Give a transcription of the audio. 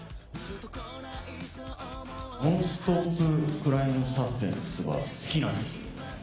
ノンストップクライムサスペンスが好きなんです。